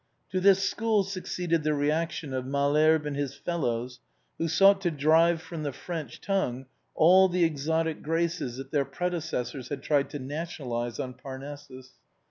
To this school succeeded the re action of Malherbe and his fellows, who sought to drive from the French tongue all the exotic graces that their predecessors had tried to nationalize on Parnassus.